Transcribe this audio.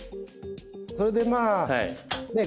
それでまあね